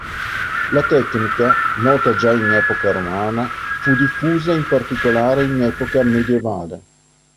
La tecnica, nota già in epoca romana, fu diffusa in particolare in epoca medievale.